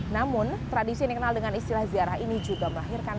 namun tradisi yang dikenal dengan istilah ziarah ini juga melahirkan